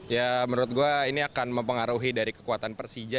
ya menurut gue ini akan mempengaruhi dari kekuatan persija